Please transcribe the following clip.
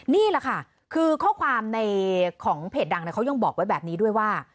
นี่แหละค่ะคือข้อความในของเพจดังเขายังบอกไว้แบบนี้ด้วยว่า